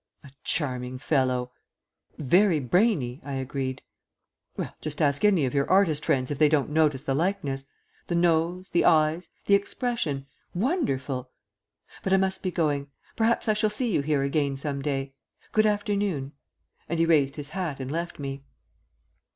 "A charming fellow." "Very brainy," I agreed. "Well, just ask any of your artist friends if they don't notice the likeness. The nose, the eyes, the expression wonderful! But I must be going. Perhaps I shall see you here again some day. Good afternoon"; and he raised his hat and left me.